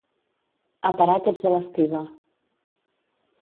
A parar tots a l'estiba.